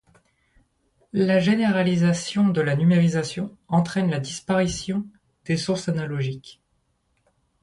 La généralisation de la numérisation entraîne la disparition des sources analogiques.